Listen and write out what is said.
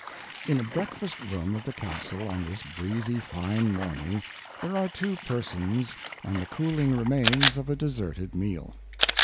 In a breakfast room of the castle on this breezy fine morning there are two persons and the cooling remains of a deserted meal.